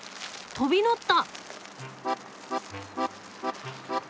飛び乗った！